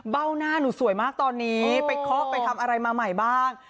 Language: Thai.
หน้าหนูสวยมากตอนนี้ไปเคาะไปทำอะไรมาใหม่บ้าง